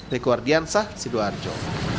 deku ardiansah sidoarjo